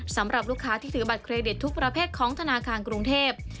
สำหรับลูกค้าที่ถือบัตรเครดิตทุกประเภทของธนาคารกรุงเทพ